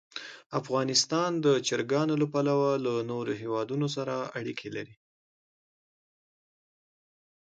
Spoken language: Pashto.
افغانستان د چرګان له پلوه له نورو هېوادونو سره اړیکې لري.